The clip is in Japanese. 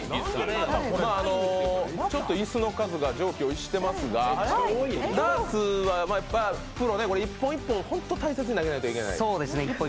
ちょっと椅子の数が常軌を逸していますが、ダーツは１本、１本、大切に投げなきゃいけない。